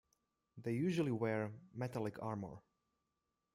They usually wear metallic armor.